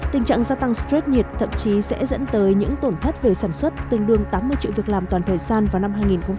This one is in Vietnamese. tình trạng gia tăng stress nhiệt thậm chí sẽ dẫn tới những tổn thất về sản xuất tương đương tám mươi triệu việc làm toàn thời gian vào năm hai nghìn hai mươi